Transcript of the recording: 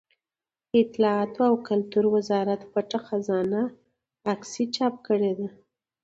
د اطلاعاتو او کلتور وزارت پټه خزانه عکسي چاپ کړې ده.